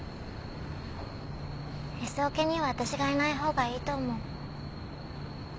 Ｓオケにはわたしがいないほうがいいと思う。